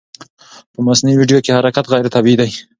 په مصنوعي ویډیو کې حرکت غیر طبیعي ښکاري.